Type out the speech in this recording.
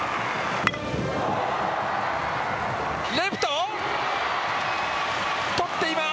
レフト、捕っています。